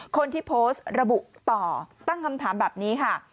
คนที่โพสต์ระบุต่อตั้งคำถามแบบนี้ค่ะ